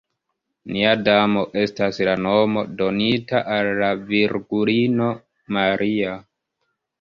Nia Damo estas la nomo donita al la Virgulino Maria.